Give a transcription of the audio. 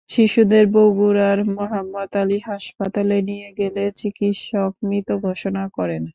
শিশুদের বগুড়ার মোহাম্মদ আলী হাসপাতালে নিয়ে গেলে চিকিত্সক মৃত ঘোষণা করেন।